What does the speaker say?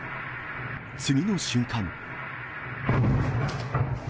次の瞬間。